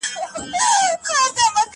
د وطن د خیالونو ټالونو وزنګولم `